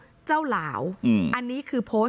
หนูจะให้เขาเซอร์ไพรส์ว่าหนูเก่ง